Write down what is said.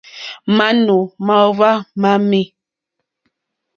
Manù màòhva mamì.